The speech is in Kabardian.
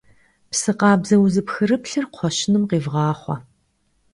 Псы къабзэ, узыпхырыплъыр кхъуэщыным къивгъахъуэ.